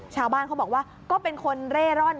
ชาวบ้านเขาบอกว่าก็เป็นคนเร่ร่อน